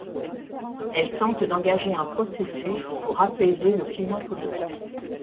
Elle tente d’engager un processus pour apaiser le climat politique.